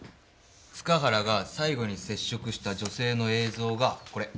塚原が最後に接触した女性の映像がこれ。